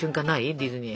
ディズニー。